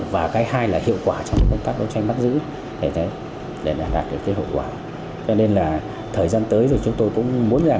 và các bộ tăng cường